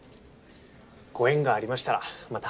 ご縁がありましたらまた。